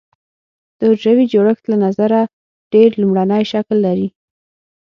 د حجروي جوړښت له نظره ډېر لومړنی شکل لري.